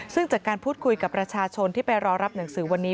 ซึ่งจากการพูดคุยกับประชาชนที่ไปรอรับหนังสือวันนี้